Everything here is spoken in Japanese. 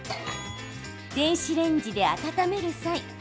電子レンジで温める際